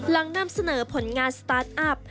นำเสนอผลงานสตาร์ทอัพ